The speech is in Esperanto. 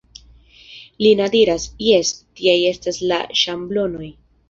Lina diras, Jes, tiaj estas la ŝablonoj.